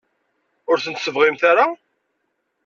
Ur tent-tebɣimt ara?